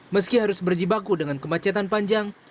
meski harus berjibaku dengan kemacetan panjang